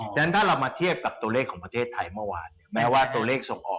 ฉะนั้นถ้าเรามาเทียบกับตัวเลขของประเทศไทยเมื่อวานแม้ว่าตัวเลขส่งออก